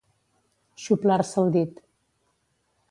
Xuplar-se el dit.